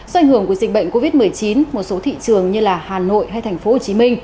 do ảnh hưởng của dịch bệnh covid một mươi chín một số thị trường như hà nội hay tp hcm